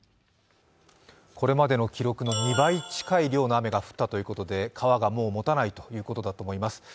これまでの記録の２倍近い量の雨が降ったということで川がもうもたないということだと思います。